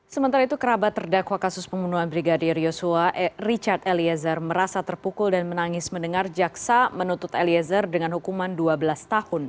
sementara itu kerabat terdakwa kasus pembunuhan brigadir yosua richard eliezer merasa terpukul dan menangis mendengar jaksa menuntut eliezer dengan hukuman dua belas tahun